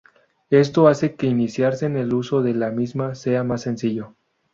Esto hace que iniciarse en el uso de la misma sea más sencillo.